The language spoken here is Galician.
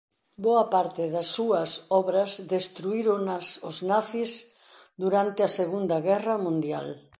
Boa parte das súas obras destruíronas os nazis durante a Segunda Guerra Mundial.